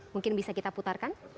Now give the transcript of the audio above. mungkin bisa kita putarkan